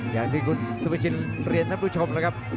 อย่างที่กุฐพิชนาโนมูลสวิชินเรียนท่านผู้ชมนะครับ